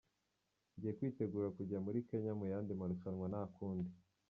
Ngiye kwitegura kujya muri Kenya mu yandi marushanwa nta kundi.